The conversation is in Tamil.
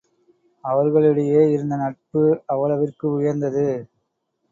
அவர்களிடையே இருந்த நட்பு அவ்வளவிற்கு உயர்ந்தது.